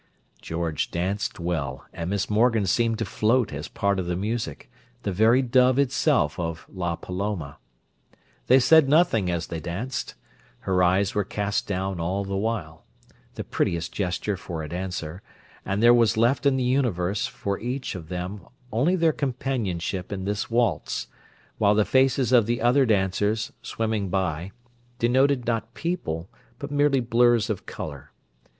George danced well, and Miss Morgan seemed to float as part of the music, the very dove itself of "La Paloma." They said nothing as they danced; her eyes were cast down all the while—the prettiest gesture for a dancer—and there was left in the universe, for each, of them, only their companionship in this waltz; while the faces of the other dancers, swimming by, denoted not people but merely blurs of colour.